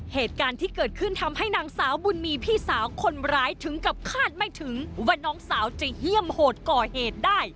เหตุการณ์ที่เกิดขึ้นทำให้นางสาวบุญมีพี่สาวคนร้ายถึงกับคาดไม่ถึงว่าน้องสาวจะเยี่ยมโหดก่อเหตุได้